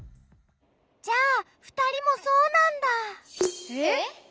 じゃあふたりもそうなんだ。えっ！？